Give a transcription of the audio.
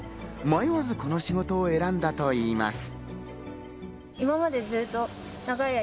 迷わずこの仕事を選んだといいます。